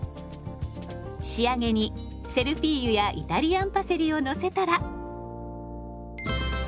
仕上げにセルフィーユやイタリアンパセリをのせたら。